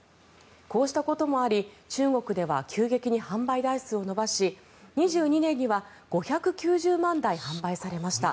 こうしたこともあり中国では急激に販売台数を伸ばし２２年には５９０万台販売されました。